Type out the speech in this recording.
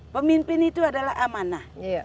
pemimpin itu adalah amanah